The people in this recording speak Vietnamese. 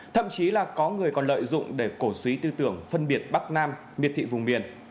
thậm chí là có người còn lợi dụng để cổ suý tư tưởng phân biệt bắc nam miệt thị vùng miền